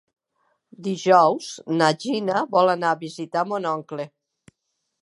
Dijous na Gina vol anar a visitar mon oncle.